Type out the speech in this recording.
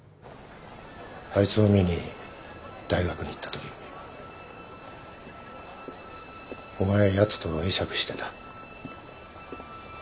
あいつを見に大学に行ったときお前はやつと会釈してた。